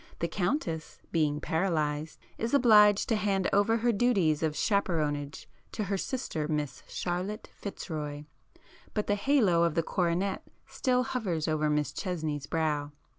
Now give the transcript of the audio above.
The Countess being paralyzed, is obliged to hand over her duties of chaperonage to her sister Miss Charlotte Fitzroy,—but the halo of the coronet still hovers over Miss Chesney's brow.